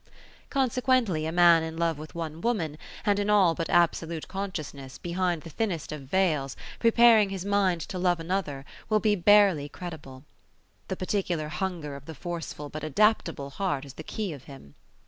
Consequently a man in love with one woman, and in all but absolute consciousness, behind the thinnest of veils, preparing his mind to love another, will be barely credible. The particular hunger of the forceful but adaptable heart is the key of him.